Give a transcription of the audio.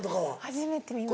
初めて見ました。